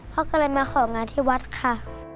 พ่อก็เลยมาของานที่วัดค่ะ